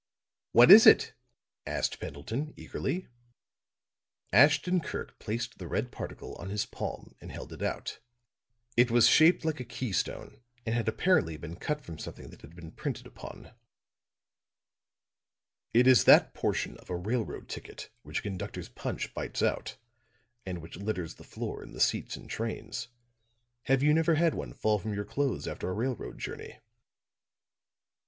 "What is it?" asked Pendleton, eagerly. Ashton Kirk placed the red particle on his palm and held it out. It was shaped like a keystone, and had apparently been cut from something that had been printed upon. "It is that portion of a railroad ticket which a conductor's punch bites out, and which litters the floor and the seats in trains. Have you never had one fall from your clothes after a railroad journey?"